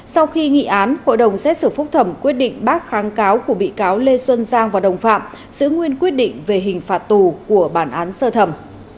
sau khi nghị án hội đồng xét xử phúc thẩm quyết định bác kháng cáo của bị cáo lê xuân giang và đồng phạm giữ nguyên quyết định về hình phạt tù của bản án sơ thẩm